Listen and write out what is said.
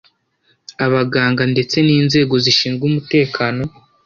abaganga ndetse n’inzego zishinzwe umutekano